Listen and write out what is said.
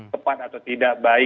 tepat atau tidak baik